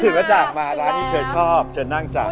ถึงก็จากมาร้านที่เธอชอบเธอนั่งจาก